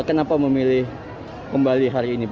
kenapa memilih kembali hari ini